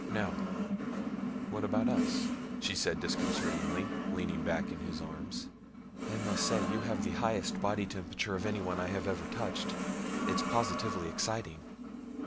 "Now what about us?" she said disconcertingly, leaning back in his arms. "I must say you have the highest body temperature of any one I have ever touched. It's positively exciting."